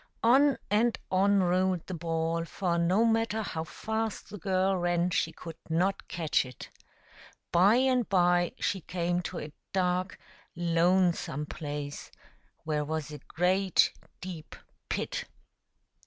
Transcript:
On and on rolled the ball, for no matter how fast the girl ran she could not catch it. By and by she came to a dark, lonesome place, where was a great, deep pit.